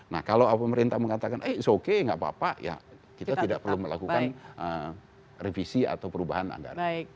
nah kalau pemerintah mengatakan eh ⁇ its ⁇ okay nggak apa apa ya kita tidak perlu melakukan revisi atau perubahan anggaran